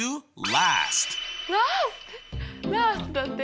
ラストだって。